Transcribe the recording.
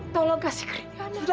tolong kasih kerjaan aneh